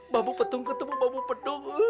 bambu petung ketubuk bambu pedung